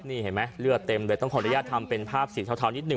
นี่เห็นไหมเลือดเต็มเลยต้องขออนุญาตทำเป็นภาพสีเทานิดนึ